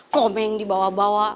komeng di bawah bawah